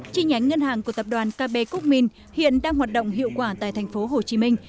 chi nhánh ngân hàng của tập đoàn kb quốc minh hiện đang hoạt động hiệu quả tại thành phố hồ chí minh